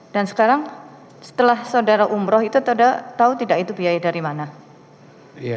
dan sekarang setelah saudara umroh itu tahu tidak itu biaya dari mana